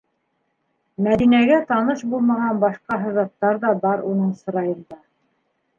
Мәҙинәгә таныш булмаған башҡа һыҙаттар ҙа бар уның сырайында.